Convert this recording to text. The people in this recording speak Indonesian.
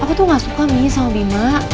apa tuh gak suka mi sama bima